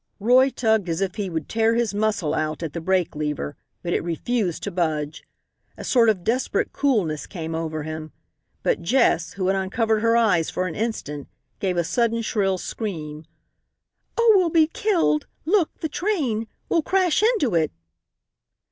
Roy tugged as if he would tear his muscle out at the brake lever, but it refused to budge. A sort of desperate coolness came over him. But Jess, who had uncovered her eyes for an instant, gave a sudden shrill scream. "Oh, we'll be killed! Look, the train! We'll crash into it!"